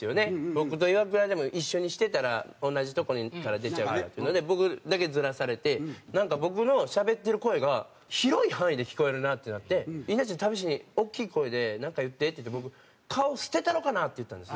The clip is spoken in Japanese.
僕とイワクラで一緒にしてたら同じとこから出ちゃうからっていうので僕だけずらされて僕のしゃべってる声が広い範囲で聞こえるなってなって「稲ちゃん試しに大きい声でなんか言って」って僕「顔捨てたろかな」って言ったんです。